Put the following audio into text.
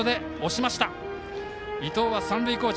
伊藤は三塁コーチ。